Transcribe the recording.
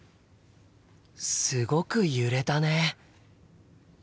すごく揺れたね。